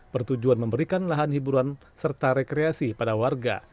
bertujuan memberikan lahan hiburan serta rekreasi pada warga